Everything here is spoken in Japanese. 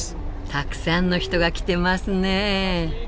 たくさんの人が来てますね。